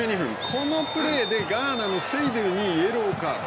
このプレーでガーナのセイドゥにイエローカード。